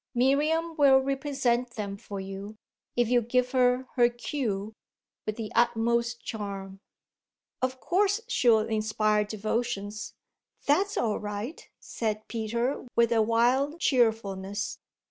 "Miriam will represent them for you, if you give her her cue, with the utmost charm." "Of course she'll inspire devotions that's all right," said Peter with a wild cheerfulness.